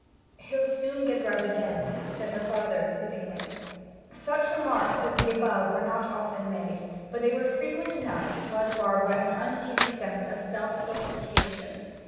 'He'll soon get right again,' said her father soothingly. Such remarks as the above were not often made; but they were frequent enough to cause Barbara an uneasy sense of self stultification.